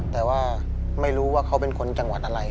แต่ว่าไม่รู้ว่าเขาเป็นคนจังหวัดอะไร